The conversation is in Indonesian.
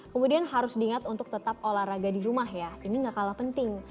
kemudian harus diingat untuk tetap olahraga di rumah ya ini gak kalah penting